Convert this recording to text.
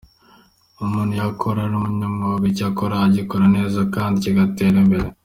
Umuntu iyo akora ari umunyamwuga icyo akora agikora neza kandi kigatera imbere.